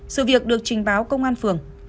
sự việc được trình báo công an phường